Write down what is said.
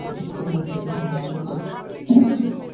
Stock market থেকে কেমন profit হচ্ছে?